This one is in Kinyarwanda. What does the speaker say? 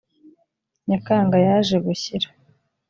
nyakanga yaje gushyira